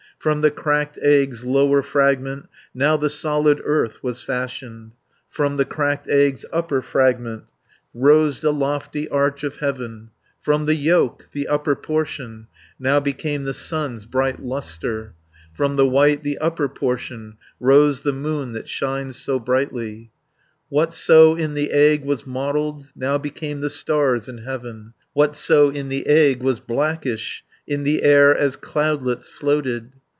From the cracked egg's lower fragment, Now the solid earth was fashioned, From the cracked egg's upper fragment, Rose the lofty arch of heaven, From the yolk, the upper portion, Now became the sun's bright lustre; From the white, the upper portion, Rose the moon that shines so brightly; 240 Whatso in the egg was mottled, Now became the stars in heaven, Whatso in the egg was blackish, In the air as cloudlets floated.